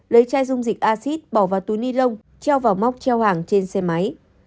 lấy chai dung dịch acid bỏ vào túi ni lông treo vào móc treo hàng trên xe máy